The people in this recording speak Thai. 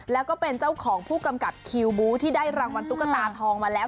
แล้วก็เป็นเจ้าของผู้กำกับคิวบู๊ที่ได้รางวัลตุ๊กตาทองมาแล้ว